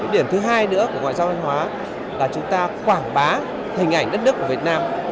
điểm thứ hai nữa của ngoại giao văn hóa là chúng ta quảng bá hình ảnh đất nước của việt nam